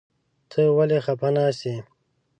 ته ولې خپه ناست يې ؟